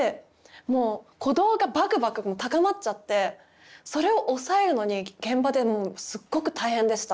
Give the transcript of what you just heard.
もう鼓動がバクバク高まっちゃってそれを抑えるのに現場でもうすっごく大変でした。